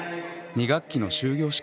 ２学期の終業式。